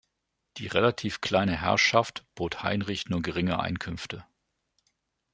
Die relativ kleine Herrschaft bot Heinrich nur geringe Einkünfte.